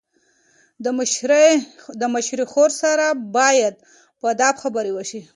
د مشرې خور سره باید په ادب خبرې وشي.